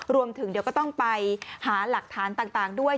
รวมถึงเดี๋ยวก็ต้องไปหาหลักฐานต่างด้วย